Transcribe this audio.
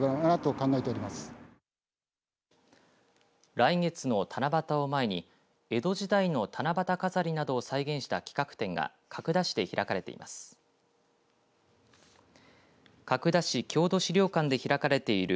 来月の七夕を前に江戸時代の七夕飾りなどを再現した企画展が角田市で開かれています。